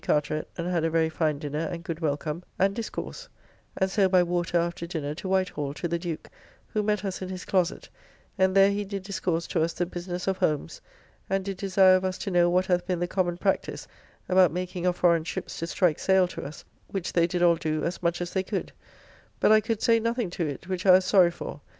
Carteret, and had a very fine dinner, and good welcome, and discourse; and so, by water, after dinner to White Hall to the Duke, who met us in his closet; and there he did discourse to us the business of Holmes, and did desire of us to know what hath been the common practice about making of forrayne ships to strike sail to us, which they did all do as much as they could; but I could say nothing to it, which I was sorry for.